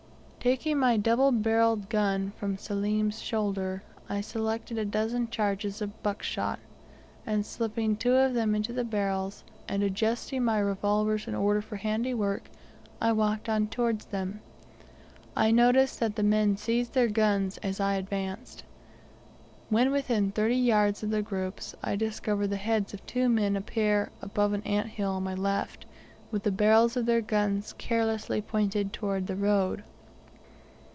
Taking my double barrelled gun from Selim's shoulder, I selected a dozen charges of buck shot, and slipping two of them into the barrels, and adjusting my revolvers in order for handy work, I walked on towards them. I noticed that the men seized their guns, as I advanced. When within thirty yards of the groups, I discovered the heads of two men appear above an anthill on my left, with the barrels of their guns carelessly pointed toward the road.